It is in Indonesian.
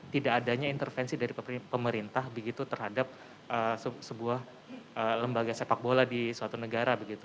tidak adanya intervensi dari pemerintah begitu terhadap sebuah lembaga sepak bola di suatu negara begitu